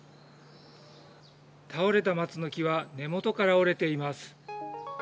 倒れた松の木は根元から折れています。